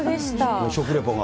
食レポが。